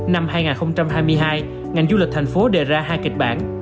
năm hai nghìn hai mươi hai ngành du lịch tp hcm đề ra hai kịch bản